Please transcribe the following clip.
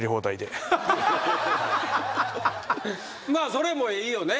それもいいよね。